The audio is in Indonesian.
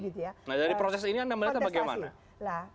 nah dari proses ini memang bagaimana